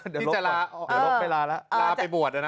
เดี๋ยวลบไปลาละลาไปบวชด้วยนะ